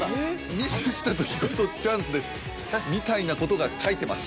ミスしたときこそチャンスですみたいなことが書いてます。